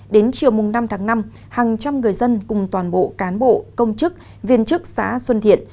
đến chiều năm tháng năm hàng trăm người dân cùng toàn bộ cán bộ công chức viên chức xã xuân thiện